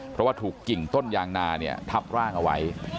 เพราะว่าถูกกิ่งต้นยางนาเนี่ยทับร่างเอาไว้